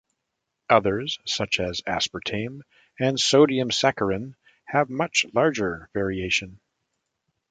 Others, such as aspartame and sodium saccharin, have much larger variation.